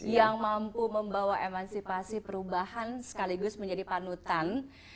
yang mampu membawa emansipasi perubahan sekaligus menjadi panutan